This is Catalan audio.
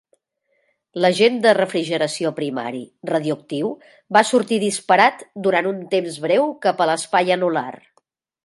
L'agent de refrigeració primari radioactiu va sortir disparat durant un temps breu cap a l'espai anular.